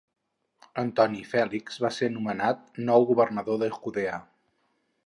Antoni Fèlix va ser nomenat nou governador de Judea.